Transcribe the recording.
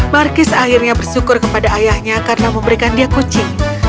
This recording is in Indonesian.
markis akhirnya bersyukur kepada ayahnya karena memberikan dia kucing